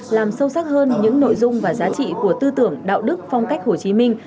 làm sâu sắc hơn những nội dung và giá trị của tư tưởng đạo đức phong cách hồ chí minh